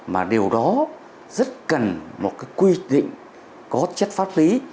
mà điều đó rất cần một cái quy định có chất pháp lý